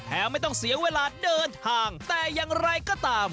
ไม่ต้องเสียเวลาเดินทางแต่อย่างไรก็ตาม